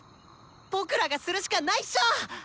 僕らがするしかないっしょ！